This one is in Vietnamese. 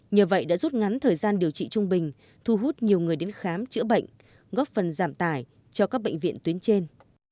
nhờ vậy đã rút ngắn thời gian điều trị trung bình thu hút nhiều người đến khám chữa bệnh góp phần giảm tài cho các bệnh viện tuyến trên